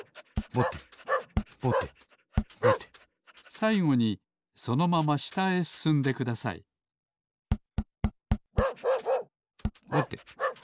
さいごにそのまましたへすすんでくださいぼてぼてぼて。